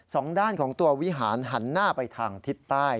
สองด้านของตัววิหารหันหน้าไปทางทิศใต้